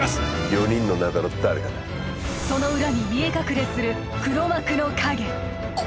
４人の中の誰かだその裏に見え隠れする黒幕の影こ